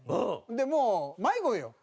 で、もう迷子よ。